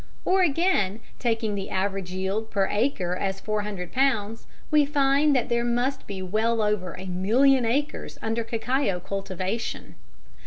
Or again, taking the average yield per acre as 400 lbs., we find that there must be well over a million acres under cacao cultivation.